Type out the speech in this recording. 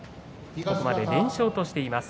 ここまで連勝としています。